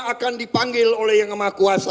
akan dipanggil oleh yang maha kuasa